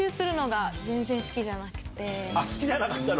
好きじゃなかったの？